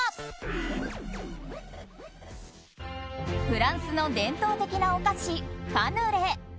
フランスの伝統的なお菓子カヌレ。